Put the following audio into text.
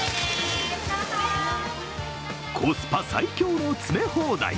コスパ最強の詰め放題！